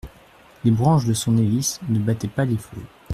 Les branches de son hélice ne battaient pas les flots.